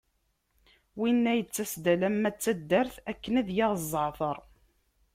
Winna yettas-d alamma d taddart akken ad yaɣ zzeɛter.